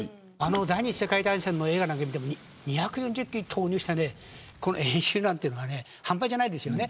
第２次世界大戦の映画なんかを見ても２４０機を投入した演習なんてのは半端じゃないです。